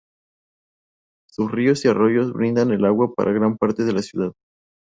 Sus ríos y arroyos brindan el agua para gran parte de la ciudad.